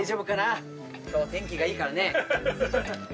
今日天気がいいからね。